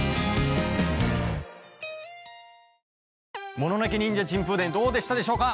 『もののけニンジャ珍風伝』どうでしたでしょうか？